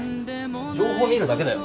情報見るだけだよ？